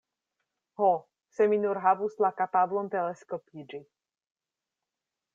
Ho, se mi nur havus la kapablon teleskopiĝi.